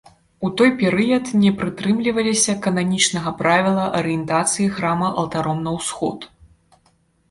У той перыяд не прытрымліваліся кананічнага правіла арыентацыі храма алтаром на ўсход.